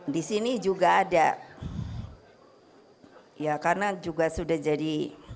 di sini juga ada ya karena juga sudah jadi